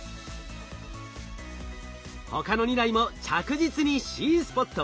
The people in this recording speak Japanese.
他の２台も着実にＣスポット